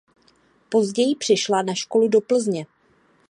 Později přešla na školu do Plzně.